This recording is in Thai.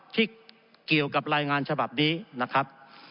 ที่เกี่ยวกับรายงานฉบับนี้นะครับ